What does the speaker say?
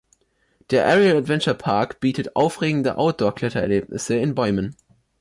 Der Aerial Adventure Park bietet aufregende Outdoor-Klettererlebnisse in Bäumen.